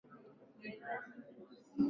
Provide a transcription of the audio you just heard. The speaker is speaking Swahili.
Christian ameandika sentensi nyingi sana.